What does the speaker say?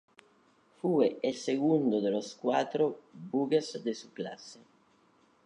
Fue el segundo de los cuatro buques de su clase.